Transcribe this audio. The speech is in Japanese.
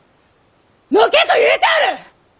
のけと言うておる！